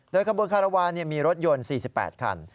ขบวนคารวาลมีรถยนต์๔๘คัน